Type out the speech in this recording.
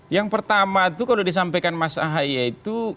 yang pertama itu kalau disampaikan mas ahaye itu